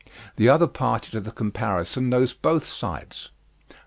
The other party to the comparison knows both sides."